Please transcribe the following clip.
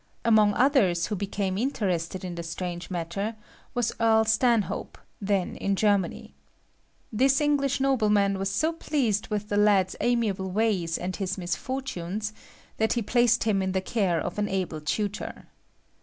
Among others who became interested in the strange matter was Earl Stanhope, then in Germany. This English nobleman was so pleased with the lad's amiable ways and his misfortunes, that he placed him in the care of an able tutor.